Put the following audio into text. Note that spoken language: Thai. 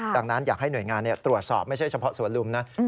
ดังนั้นอยากให้หน่วยงานตรวจสอบไม่ใช่เฉพาะสวนลุมนะ